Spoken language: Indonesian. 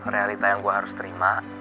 realita yang gue harus terima